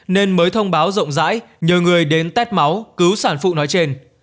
nên mới thông báo rộng rãi nhờ người đến test máu cứu sản phụ nói trên